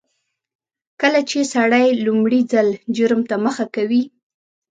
کله چې سړی لومړي ځل جرم ته مخه کوي